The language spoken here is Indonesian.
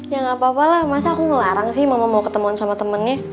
ya gak apa apa lah masa aku ngelarang sih mama mau ketemuan sama temennya